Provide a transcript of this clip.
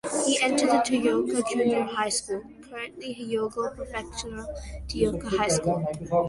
He entered the Toyooka Junior High School (currently Hyogo Prefectural Toyooka High School).